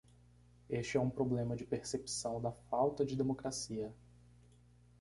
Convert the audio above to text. Este é um problema de percepção da falta de democracia.